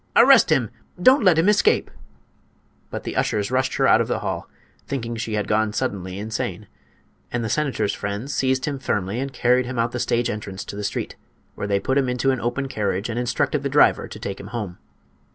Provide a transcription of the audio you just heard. Arrest him! Don't let him escape!" But the ushers rushed her out of the hall, thinking she had gone suddenly insane; and the senator's friends seized him firmly and carried him out the stage entrance to the street, where they put him into an open carriage and instructed the driver to take him home.